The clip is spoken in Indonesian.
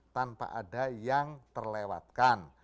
tanpa ada yang terlewatkan